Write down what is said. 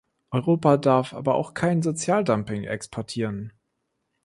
Europa darf aber auch kein Sozialdumping exportieren.